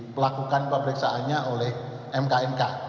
melakukan pemeriksaannya oleh mkmk